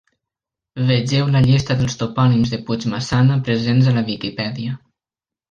Vegeu la llista dels Topònims de Puigmaçana presents a la Viquipèdia.